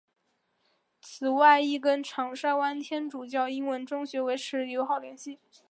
此外亦跟长沙湾天主教英文中学维持友好关系。